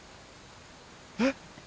えっ？